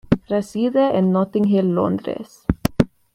Reside en Notting Hill, Londres.